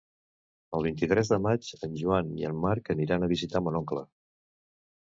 El vint-i-tres de maig en Joan i en Marc aniran a visitar mon oncle.